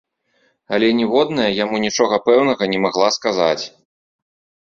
Але ніводная яму нічога пэўнага не магла сказаць.